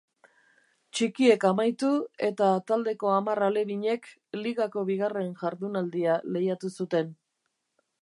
Txikiek amaitu eta taldeko hamar alebinek ligako bigarren jardunaldia lehiatu zuten.